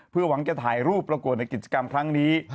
เพื่อหวังจะถ่ายรูปประกวดในกิจกรรมครั้งนี้